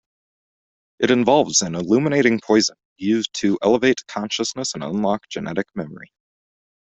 It involves an "illuminating poison" used to elevate consciousness and unlock genetic memory.